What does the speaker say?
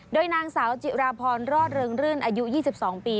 โดยนางสาวจิราพรรอดเริงรื่นอายุ๒๒ปี